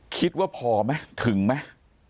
คิดว่าพอมั้ยถึงมั้ย